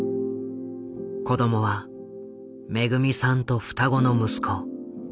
子供はめぐみさんと双子の息子。